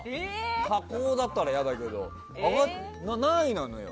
下降だったら嫌だけど何位なのよ？